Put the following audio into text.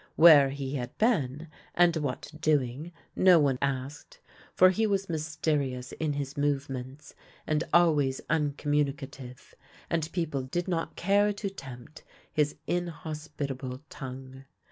Where he had been and what doing no one asked, for he was mysterious in his move THE LITTLE BELL OF HONOUR 115 ments, and always uncommunicative, and people did not care to tempt his inhospitable tongue.